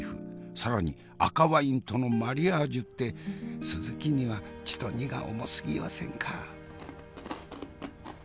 更に赤ワインとのマリアージュって鈴木にはちと荷が重すぎはせんか？